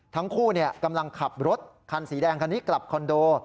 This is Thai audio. ทั้งคู่กำลังขับรถคันสีแดงคันนี้กลับคอนโด